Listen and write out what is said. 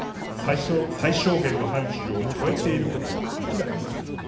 最小限の範ちゅうを超えていることは明らかです。